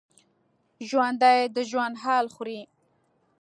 ژوندي د ژوند حال خوري